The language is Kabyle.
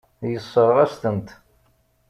Yessṛeɣ-as-tent.